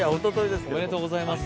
おめでとうございます。